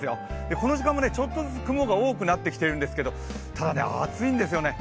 この時間もちょっとずつ雲が多くなってきているんですけどただ、暑いんですよね。